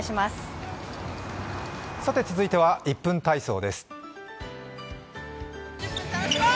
続いては１分体操です。